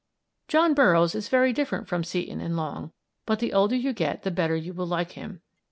John Burroughs is very different from Seton and Long, but the older you get the better you will like him.